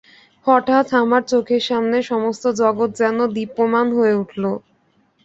হঠাৎ আমার চোখের সামনে সমস্ত জগৎ যেন দীপ্যমান হয়ে উঠল।